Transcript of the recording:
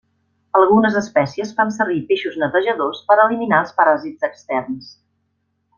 Algunes espècies fan servir peixos netejadors per eliminar els paràsits externs.